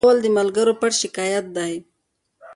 غول د ملګرو پټ شکایت دی.